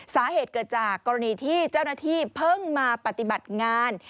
สาเหตุเกิดจากกรณีที่เจ้าหน้าที่เพิ่งมาปฏิบัติงาน